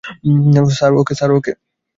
Sir, ও কে?